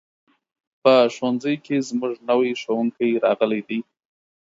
په ښوونځي کې زموږ نوی ښوونکی راغلی دی.